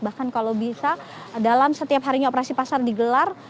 bahkan kalau bisa dalam setiap harinya operasi pasar digelar